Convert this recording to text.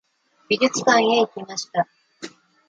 美術館へ行きました。